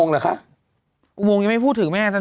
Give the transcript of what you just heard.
อธิบายยังไม่พูดถึงไว้เลย